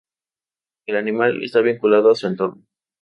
El animal está vinculado a su entorno.